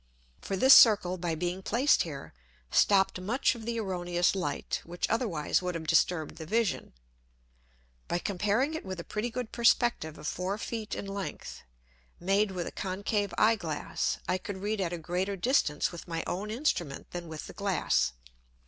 For this Circle by being placed here, stopp'd much of the erroneous Light, which otherwise would have disturbed the Vision. By comparing it with a pretty good Perspective of four Feet in length, made with a concave Eye glass, I could read at a greater distance with my own Instrument than with the Glass.